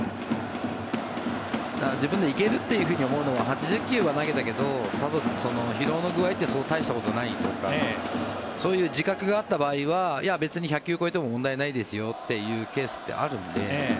自分で行けると思うのは８０球は投げたけど疲労の具合って大したことないとかそういう自覚があった場合は別に１００球超えても問題ないですよというケースってあるんで。